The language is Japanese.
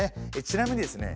ちなみにですね